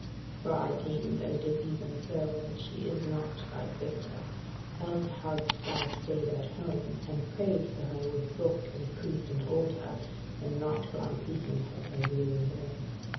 For I deem that it is even so, and that she is not thy sister, else hadst thou stayed at home, and prayed for her with book and priest and altar, and not gone seeking her a weary way."